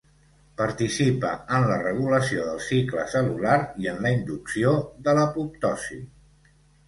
Participa en la regulació del cicle cel·lular i en la inducció de l'apoptosi.